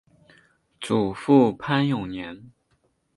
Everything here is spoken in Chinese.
祖父潘永年。